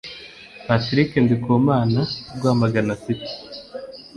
Patrick Ndikumana (Rwamagana City)